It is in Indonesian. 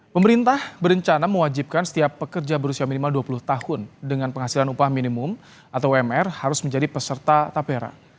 pemerintah berencana mewajibkan setiap pekerja berusia minimal dua puluh tahun dengan penghasilan upah minimum atau umr harus menjadi peserta tapera